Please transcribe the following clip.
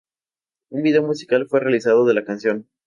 Un video musical fue realizado de la canción.